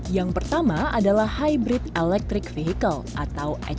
yang pertama adalah hybrid electric vehicle atau hp